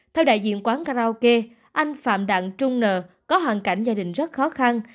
theo đại diện quán karaoke anh phạm đặng trung nờ có hoàn cảnh gia đình rất khó khăn